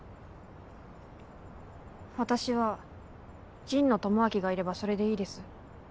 私は神野智明がいればそれでいいです。